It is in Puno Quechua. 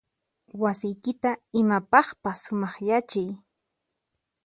Wasiykita imapaqpas sumaqyachiy.